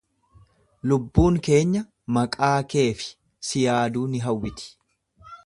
Lubbuun keenya maqaa kee fi si yaaduu ni hawwiti.